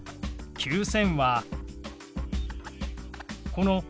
９０００。